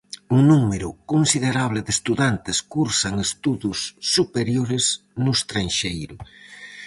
Un número considerable de estudantes cursan estudos superiores no estranxeiro.